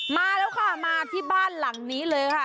มาแล้วค่ะมาที่บ้านหลังนี้เลยค่ะ